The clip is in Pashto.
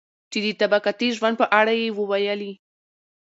چې د طبقاتي ژوند په اړه يې وويلي.